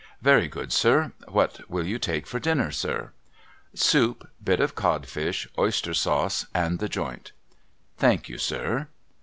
' Very good, sir. What will you take for dinner, sir ?' 'Soup, bit of codfish, oyster sauce, and the joint.' ' Thank you, sir.'